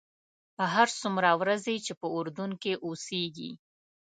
هر څومره ورځې چې په اردن کې اوسېږې.